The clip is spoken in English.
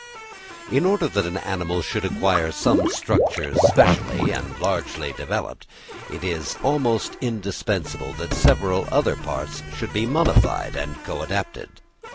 In order that an animal should acquire some structure specially and largely developed, it is almost indispensable that several other parts should be modified and coadapted.